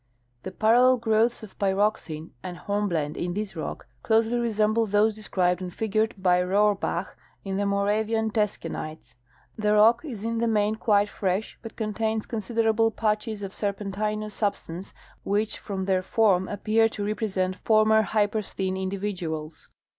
'i^ The parallel growths of pyroxene and hornblende in this rock closely resemble those described and figured l)y Rohrbach in th"e Moravian teschenites.y Tlie rock is in the main quite fresh, but contains considerable patches of serpentinous substance which from their tbrm appear to represent former hypersthene in dividuals.